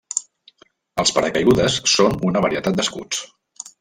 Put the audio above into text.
Els paracaigudes són una varietat d'escuts.